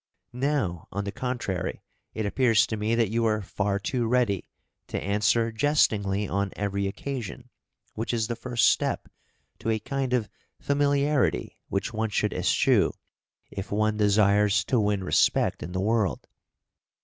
Now, on the contrary, it appears to me that you are far too ready to answer jestingly on every occasion, which is the first step to a kind of familiarity which one should eschew if one desires to win respect in the world.